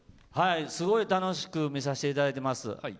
すごい楽しく見させていただいています。